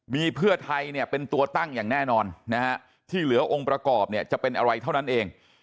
มีเพื่อไทยเนี่ยเป็นตัวตั้งอย่างแน่นอนนะฮะที่เหลือองค์ประกอบเนี่ยจะเป็นอะไรเท่านั้นเอง